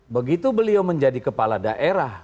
begitu beliau menjadi kepala daerah